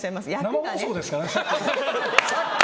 生放送ですからね、ちょっと。